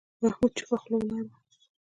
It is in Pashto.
محمود چوپه خوله ولاړ و.